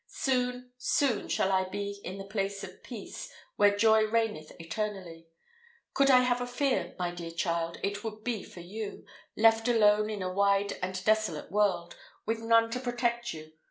Soon, soon shall I be in the place of peace, where joy reigneth eternally. Could I have a fear, my dear child, it would be for you, left alone in a wide and desolate world, with none to protect you.